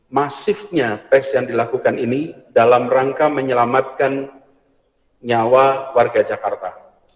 masifnya tes yang dilakukan ini dalam rangka menyelamatkan nyawa warga jakarta